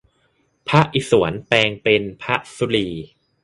พระอิศวรแปลงเป็นพระศุลี